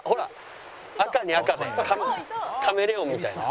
赤に赤でカメレオンみたいな。